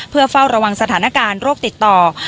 เพื่อเฝ้าระวังสถานการณ์โรคติดต่อ